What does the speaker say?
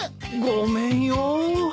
ごめんよ。